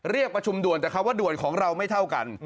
เรียกประชุมด่วนแต่คำว่าด่วนของเราไม่เท่ากัน